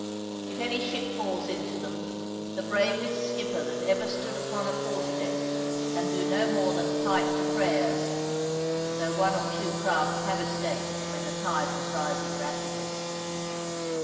If any ship falls into them, the bravest skipper that ever stood upon a quarter deck can do no more than pipe to prayers, though one or two craft have escaped when the tide was rising rapidly.